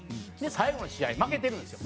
最後の試合負けてるんですよ。